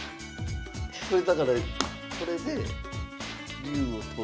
これだからこれで竜を取る。